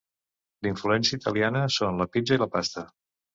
D'influència italiana són la pizza i la pasta.